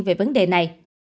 về vấn đề này